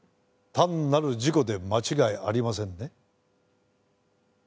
単なる事故で間違いありませんね？